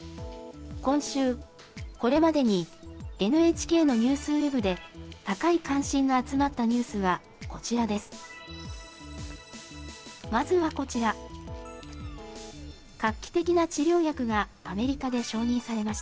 今週、これまでにＮＨＫのニュースウェブで、高い関心が集まったニュースはこちらです。